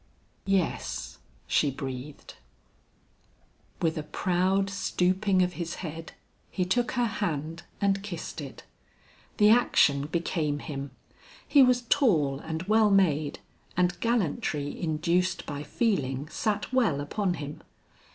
"Yes," she breathed. With a proud stooping of his head, he took her hand and kissed it. The action became him; he was tall and well made, and gallantry induced by feeling, sat well upon him.